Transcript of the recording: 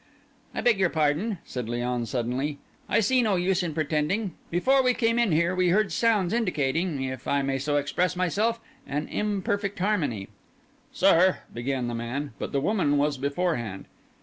"I beg your pardon," said Léon suddenly. "I see no use in pretending. Before we came in here we heard sounds indicating—if I may so express myself—an imperfect harmony." "Sir—" began the man. But the woman was beforehand.